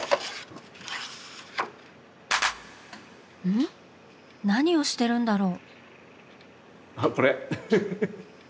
ん？何をしてるんだろう？